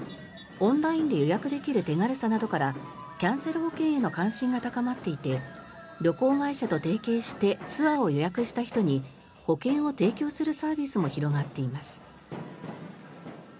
オンラインで予約できる手軽さなどからキャンセル保険への関心が高まっていて旅行会社と提携してツアーを予約した人に保険を提供するサービスも広がっています。